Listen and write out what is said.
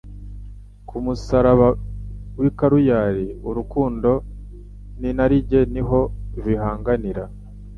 Ku musaraba w'i Kaluyari urukundo n'inarijye ni ho bihanganira.